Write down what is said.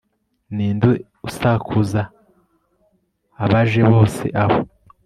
Ninde usakuza abaje bose aho